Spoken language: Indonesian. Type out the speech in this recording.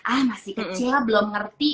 ah masih kecil lah belum ngerti